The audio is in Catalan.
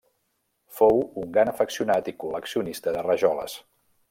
Fou un gran afeccionat i col·leccionista de rajoles.